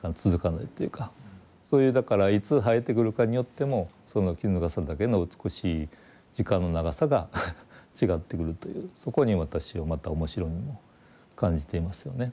そういうだからいつ生えてくるかによってもそのキヌガサダケの美しい時間の長さが違ってくるというそこに私はまた面白みも感じていますよね。